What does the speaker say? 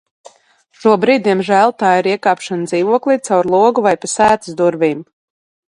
Šobrīd diemžēl tā ir iekāpšana dzīvoklī caur logu vai pa sētas durvīm.